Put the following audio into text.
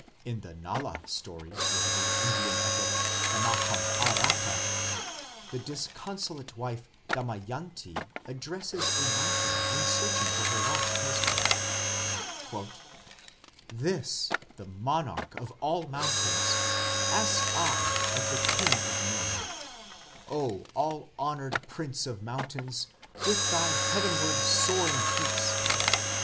In the Nala story of the Indian epic, the Mahabharata, the disconsolate wife Damayanti addresses a mountain when searching for her lost husband: "This, the monarch of all mountains, ask I of the king of men; O all honoured Prince of Mountains, with thy heavenward soaring peaks